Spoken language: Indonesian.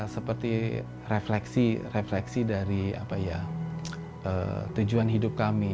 seperti refleksi refleksi dari tujuan hidup kami